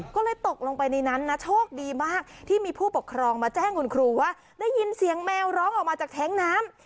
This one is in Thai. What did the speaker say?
ก็เลยตกลงไปในนั้นนะโชคดีมากที่มีผู้ปกครองมาแจ้งคุณครูว่าได้ยินเสียงแมวร้องออกมาจากแท้งน้ำ